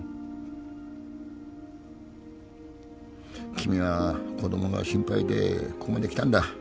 君は子供が心配でここまで来たんだ。